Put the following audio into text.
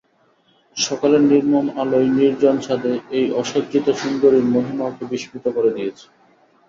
সকালের নির্মল আলোয় নির্জন ছাদে এই অসজ্জিতা সুন্দরীর মহিমা ওকে বিস্মিত করে দিয়েছে।